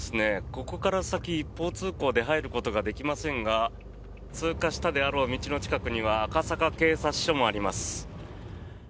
ここから先、一方通行で入ることができませんが通過したであろう道の近くには赤坂警察署もあります。